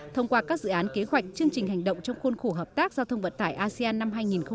thông qua các dự án kế hoạch chương trình hành động trong khuôn khổ hợp tác giao thông vận tải asean năm hai nghìn hai mươi